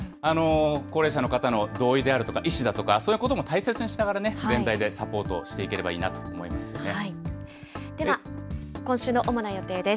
高齢者の方の同意であるとか意思だとか、そういうことも大切にしながら、全体でサポートしていけでは、今週の主な予定です。